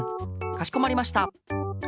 かしこまりました。